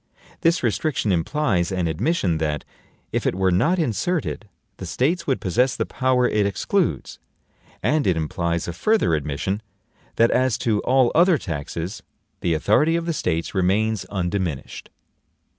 This restriction implies an admission that, if it were not inserted, the States would possess the power it excludes; and it implies a further admission, that as to all other taxes, the authority of the States remains undiminished.